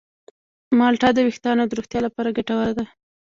مالټه د ویښتانو د روغتیا لپاره ګټوره ده.